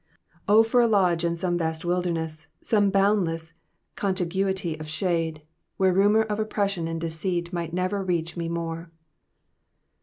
'* O for a lodfre in some vast wildemees. Some boundless conti)?uity of shade, Where rnmour of oppression and deceit Might never reach me more.